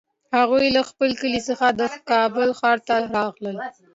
هغوی له خپل کلي څخه د کابل ښار ته راغلل